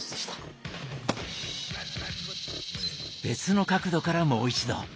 別の角度からもう一度。